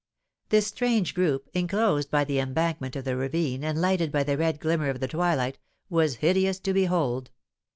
This strange group, enclosed by the embankment of the ravine, and lighted by the red glimmer of the twilight, was hideous to behold.